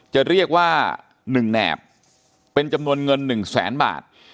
จะเรียกว่า๑แหนบเป็นจำนวนเงิน๑แสนบาท